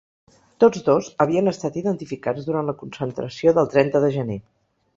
Tots dos havien estat identificats durant la concentració del trenta de gener.